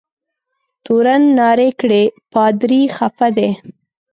تورن نارې کړې پادري خفه دی.